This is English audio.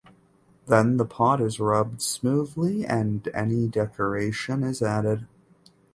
Then the pot is rubbed smoothly and any decoration is added.